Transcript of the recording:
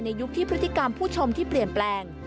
ยุคที่พฤติกรรมผู้ชมที่เปลี่ยนแปลง